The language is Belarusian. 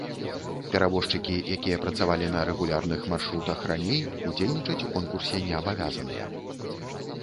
Перавозчыкі, якія працавалі на рэгулярных маршрутах раней, удзельнічаць у конкурсе не абавязаныя.